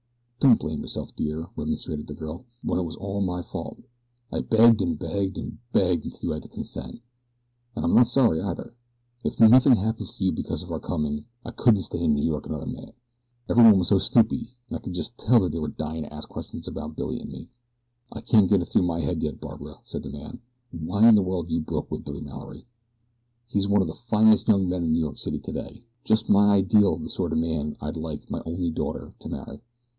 "Don't blame yourself, dear," remonstrated the girl, "when it was all my fault. I begged and begged and begged until you had to consent, and I'm not sorry either if nothing happens to you because of our coming. I couldn't stay in New York another minute. Everyone was so snoopy, and I could just tell that they were dying to ask questions about Billy and me." "I can't get it through my head yet, Barbara," said the man, "why in the world you broke with Billy Mallory. He's one of the finest young men in New York City today just my ideal of the sort of man I'd like my only daughter to marry."